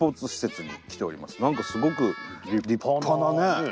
何かすごく立派なね。